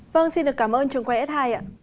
vâng xin được cảm ơn trường quay s hai ạ